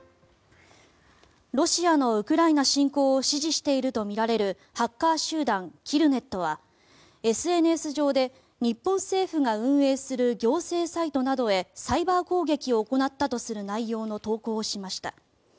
ロシアのウクライナ侵攻を支持しているとみられるハッカー集団、キルネットはＳＮＳ上で、日本政府が運営する行政サイトなどへサイバー攻撃を行ったとする内容の投稿をしました。